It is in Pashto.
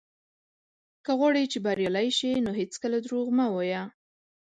که غواړې چې بريالی شې، نو هېڅکله دروغ مه وايه.